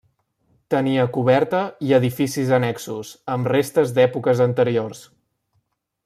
Tenia coberta i edificis annexos, amb restes d'èpoques anteriors.